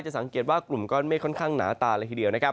สังเกตว่ากลุ่มก้อนเมฆค่อนข้างหนาตาเลยทีเดียวนะครับ